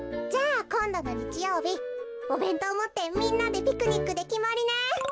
じゃあこんどのにちようびおべんとうをもってみんなでピクニックできまりね。